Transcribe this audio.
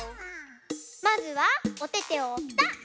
まずはおててをぴたっ！